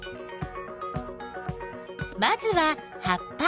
まずは葉っぱ。